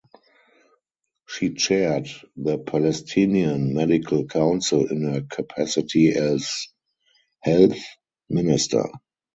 She chaired the Palestinian Medical Council in her capacity as Health Minister.